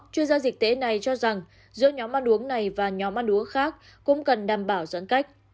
chuyên gia dịch tễ này cho rằng giữa nhóm ăn uống này và nhóm ăn uống khác cũng cần đảm bảo giãn cách